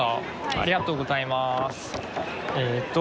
ありがとうございます。